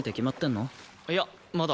いやまだ。